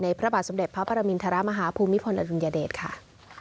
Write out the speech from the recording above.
ในพระบาทส่วนใหญ่ประบาลมิณธรรมภูมิพลอดุลยเดชค่ะ